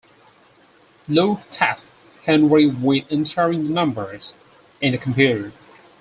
Locke tasks Henry with entering the numbers in the computer.